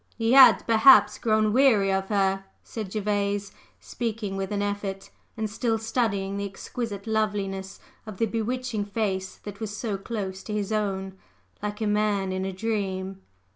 "He had perhaps grown weary of her," said Gervase, speaking with an effort, and still studying the exquisite loveliness of the bewitching face that was so close to his own, like a man in a dream.